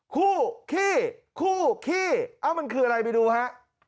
คู่ขี้คู่ขี้เอ้ามันคืออะไรไปดูฮะ